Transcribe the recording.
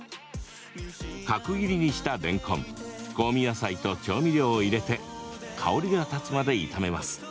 角切りにした、れんこん香味野菜と調味料を入れて香りが立つまで炒めます。